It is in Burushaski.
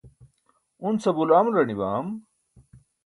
un sabuur amular nibam?